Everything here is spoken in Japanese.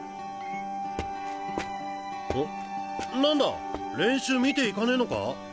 あなんだ練習見ていかねぇのか？